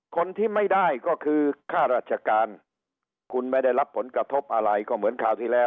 คนที่ไม่ได้ก็คือค่าราชการคุณไม่ได้รับผลกระทบอะไรก็เหมือนคราวที่แล้ว